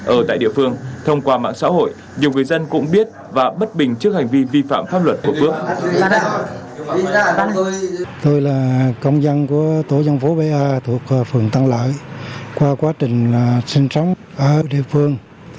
ở tại địa phương thông qua mạng xã hội nhiều người dân cũng biết và bất bình trước hành vi vi phạm pháp luật của bước